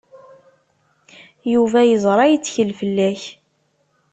Yuba yeẓra yettkel fell-ak.